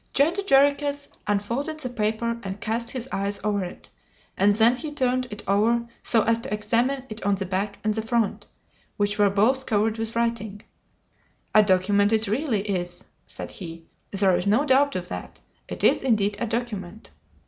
Judge Jarriquez unfolded the paper and cast his eyes over it, and then he turned it over so as to examine it on the back and the front, which were both covered with writing. "A document it really is!" said he; "there is no doubt of that. It is indeed a document!"